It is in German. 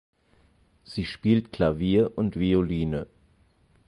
Sie spielt Klavier und Violine.